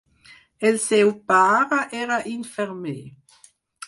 El seu pare era infermer.